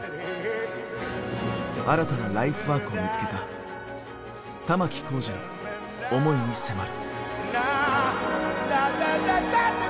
新たなライフワークを見つけた玉置浩二の思いに迫る。